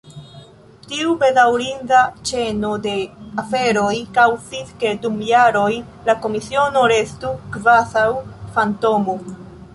Tiu bedaŭrinda ĉeno de aferoj kaŭzis, ke dum jaroj la Komisiono restu kvazaŭ fantomo.